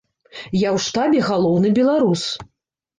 Я ў штабе галоўны беларус.